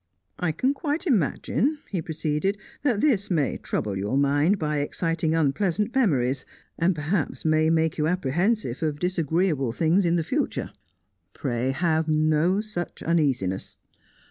"I can quite imagine," he proceeded, "that this may trouble your mind by exciting unpleasant memories, and perhaps may make you apprehensive of disagreeable things in the future. Pray have no such uneasiness.